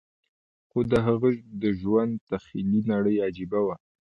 خو د هغه د ژوند تخيلي نړۍ عجيبه وه.